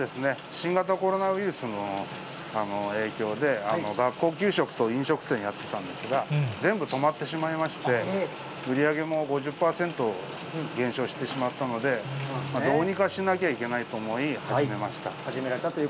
新型コロナウイルスの影響で、学校給食と飲食店やってたんですが、全部止まってしまいまして、売り上げも５０％に減少してしまったので、どうにかしなきゃいけないと思い始めました。